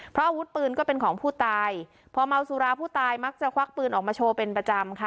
เพราะอาวุธปืนก็เป็นของผู้ตายพอเมาสุราผู้ตายมักจะควักปืนออกมาโชว์เป็นประจำค่ะ